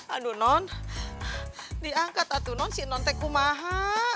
aduh non diangkat atu non si nontek kumaha